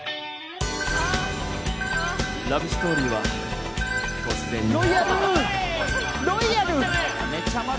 「ラブ・ストーリーは突然に」。